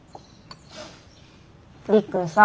りっくんさ